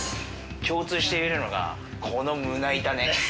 共通して言えるのがこの胸板ね。